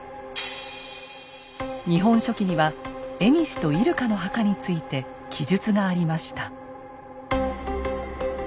「日本書紀」には蝦夷と入鹿の墓について記述がありました。